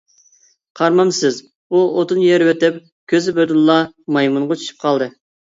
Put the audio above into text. قارىمامسىز، ئۇ ئوتۇن يېرىۋېتىپ، كۆزى بىردىنلا مايمۇنغا چۈشۈپ قالدى.